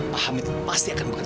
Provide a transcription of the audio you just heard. pak hamid pasti akan buka itu